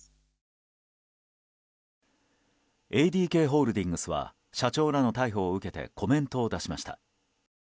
ＡＤＫホールディングスは社長らの逮捕を受けてコメントを出しました。